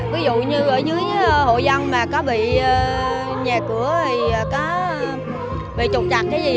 ví dụ như ở dưới hội dân có bị nhà cửa có bị trục trặc